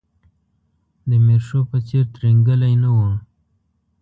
د میرشو په څېر ترینګلی نه و.